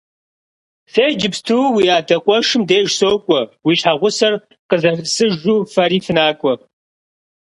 Сэ иджыпсту уи адэ къуэшым деж сокӀуэ, уи щхьэгъусэр къызэрысыжу фэри фынакӀуэ.